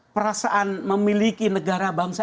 perasaan memiliki negara bangsa